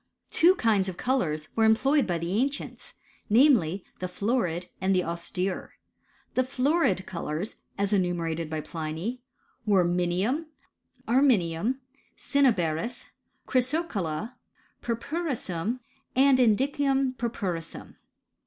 Two kinds of colours were employed by the an cients : namely, the florid and the austere. The florid Golotin, as enumerated by Pliny, were minium, arme nium, cinnaberis, ckrysocotla, purpurissuin, and jn (Knun pvrpurtMu m